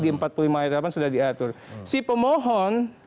di empat puluh lima ayat delapan sudah diatur si pemohon